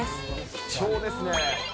貴重ですね。